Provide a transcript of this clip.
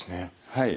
はい。